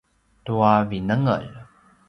tua vinengel